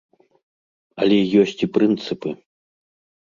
Але ёсць і прынцыпы.